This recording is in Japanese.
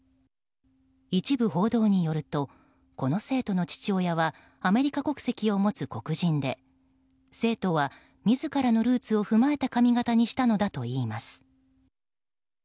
一部報道によるとこの生徒の父親はアメリカ国籍を持つ黒人で生徒は、自らのルーツを踏まえた髪形にしたのだといいます。